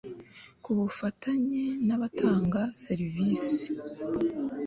Ku bufatanye nabatanga serivisi